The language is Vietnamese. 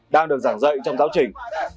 đang được giảng dạy trong giáo trình